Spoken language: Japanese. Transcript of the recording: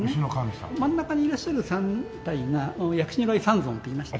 真ん中にいらっしゃる３体が薬師如来三尊っていいまして。